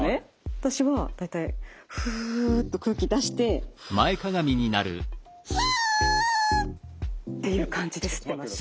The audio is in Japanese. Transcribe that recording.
私は大体フッと空気出して。っていう感じで吸ってます。